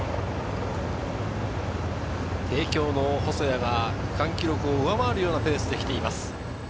帝京の細谷が区間記録を上回るペースで来ています。